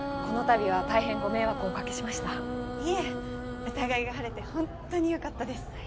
この度は大変ご迷惑をおかけしましたいえ疑いが晴れて本当によかったです